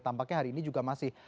tampaknya hari ini juga masih